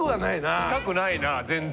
近くないな全然。